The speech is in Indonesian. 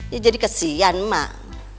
dia jadi kesian emak